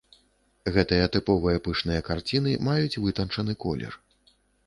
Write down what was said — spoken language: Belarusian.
Гэтыя тыповыя пышныя карціны маюць вытанчаны колер.